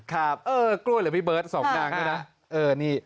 กล้วยเหลือพี่เบิร์ตสองนางด้วยนะ